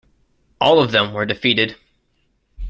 All of them were defeated.